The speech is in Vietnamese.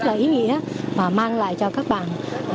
đây là một hoạt động rất là ý nghĩa và mang lại cho các bạn